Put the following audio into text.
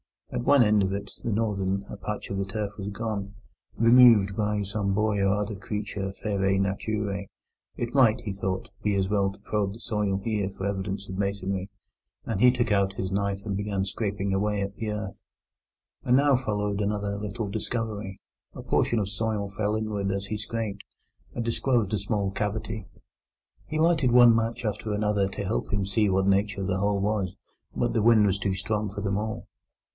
At one end of it, the northern, a patch of the turf was gone—removed by some boy or other creature feraæ naturæ. It might, he thought, be as well to probe the soil here for evidences of masonry, and he took out his knife and began scraping away the earth. And now followed another little discovery: a portion of soil fell inward as he scraped, and disclosed a small cavity. He lighted one match after another to help him to see of what nature the hole was, but the wind was too strong for them all.